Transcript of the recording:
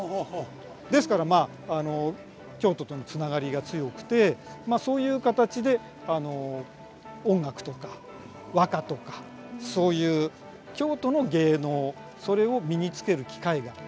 ですからまあ京都とのつながりが強くてそういう形で音楽とか和歌とかそういう京都の芸能それを身につける機会があったというふうに考えられます。